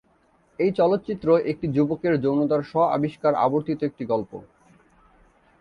এই চলচ্চিত্র একজন যুবকের যৌনতার স্ব-আবিষ্কার আবর্তিত একটি গল্প।